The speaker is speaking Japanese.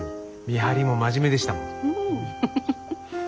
見張りも真面目でしたもん。